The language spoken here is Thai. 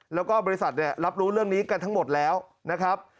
แล้วก็บริษัทเนี่ยรับรู้เรื่องนี้กันทั้งหมดแล้วนะครับ